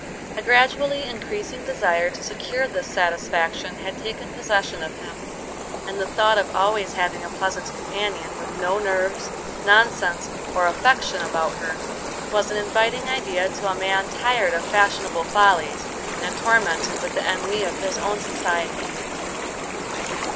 A gradually increasing desire to secure this satisfaction had taken possession of him, and the thought of always having a pleasant companion, with no nerves, nonsense, or affectation about her, was an inviting idea to a man tired of fashionable follies and tormented with the ennui of his own society.